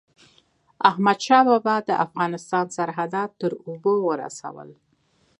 احمدشاه بابا د افغانستان سرحدات تر اوبو ورسول.